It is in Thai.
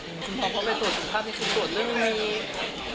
คุณพ่อเข้าไปตรวจสุขภาพที่สุดตรวจเรื่องยังไง